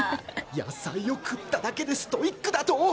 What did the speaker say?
野菜を食っただけでストイックだと？